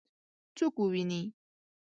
څوک وویني؟